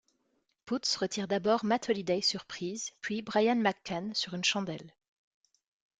Putz retire d'abord Matt Holliday sur prises, puis Brian McCann sur une chandelle.